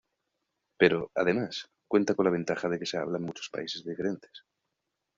Pero, además, cuenta con la ventaja de que se habla en muchos países diferentes.